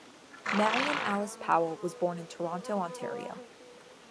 Marion Alice Powell was born in Toronto, Ontario.